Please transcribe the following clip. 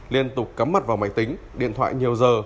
liên tục cắm mật vào máy tính điện thoại nhiều giờ